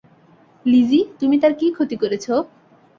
Lessee তুমি তার কী ক্ষতি করেছো?